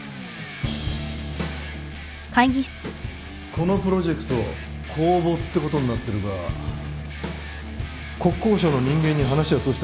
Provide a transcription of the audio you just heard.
このプロジェクト公募ってことになってるが国交省の人間に話は通してある。